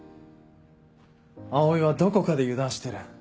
葵はどこかで油断してる。